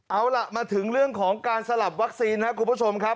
เอาล่ะมาถึงเรื่องของการสลับวัคซีนครับคุณผู้ชมครับ